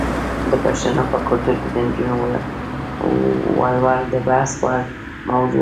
د پښتنو په کلتور کې د نجونو ولور د بحث وړ موضوع ده.